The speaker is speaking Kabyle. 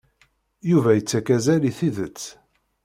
Yuba ittak azal i tidet.